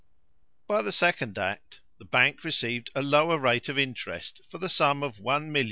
By the second act, the bank received a lower rate of interest for the sum of 1,775,027l.